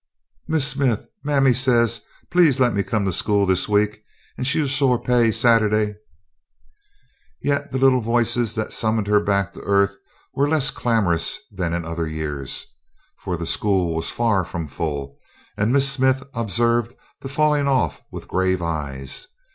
"Miss Smith, mammy say please lemme come to school this week and she'll sho' pay Sata'day." Yet the little voices that summoned her back to earth were less clamorous than in other years, for the school was far from full, and Miss Smith observed the falling off with grave eyes.